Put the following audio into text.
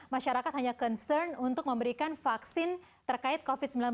masyarakat hanya concern untuk memberikan vaksin terkait covid sembilan belas